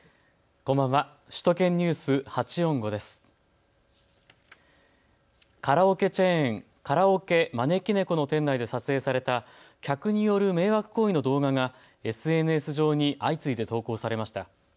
この店内で撮影された客による迷惑行為の動画がＳＮＳ上に相次いで投稿されました。